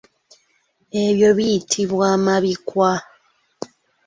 Ebyo biyitibwa amabikwa.